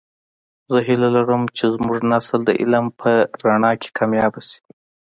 زه هیله لرم چې زمونږنسل د علم په رڼا کې کامیابه شي